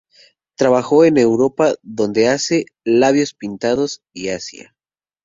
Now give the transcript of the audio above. Trabajó en Europa donde hace "Labios pintados", y Asia.